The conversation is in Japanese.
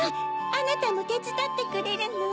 あなたもてつだってくれるの？